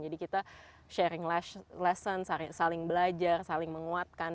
jadi kita sharing lesson saling belajar saling menguatkan